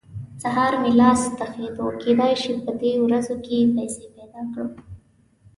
سهار مې لاس تخېدو؛ کېدای شي په دې ورځو کې پيسې پیدا کړم.